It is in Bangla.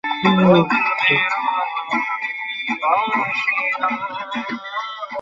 আমরা যখনই বাইরে যাই তখনই কেন তুমি এই শাড়িই পরো?